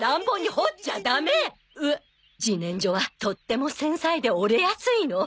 じねんじょはとっても繊細で折れやすいの。